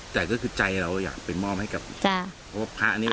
แต่ก็คือใจเราอยากไปมอบให้กับเพราะว่าพระนี่